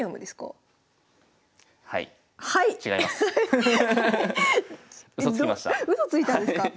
うそついたんですか？